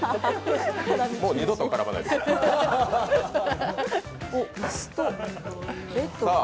もう二度と絡まないでください。